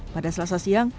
pada selasa siang